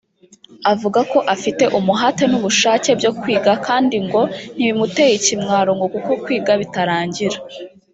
Avuga ko afite umuhate n’ubushake byo kwiga kandi ngo nti bimuteye ikimwaro ngo kuko kwiga bitarangira